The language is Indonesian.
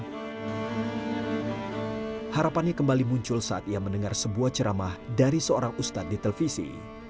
harapannya kembali muncul saat ia mendengar sebuah ceramah dari seorang ustadz di televisi